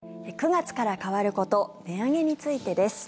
９月から変わること値上げについてです。